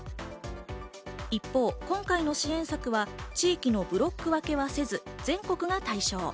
一方、今回の支援策は地域のブロック分けはせず全国が対象。